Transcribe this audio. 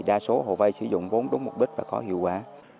đa số hộ vay sử dụng vốn đúng mục đích và có hiệu quả